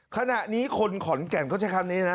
ขณะนี้คนขอนแก่นเขาใช้คำนี้นะ